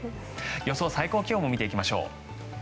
予想最高気温も見ていきましょう。